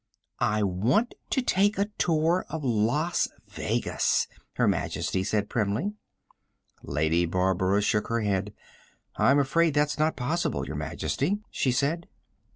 "I want to take a tour of Las Vegas," Her Majesty said primly. Lady Barbara shook her head. "I'm afraid that's not possible, Your Majesty," she said.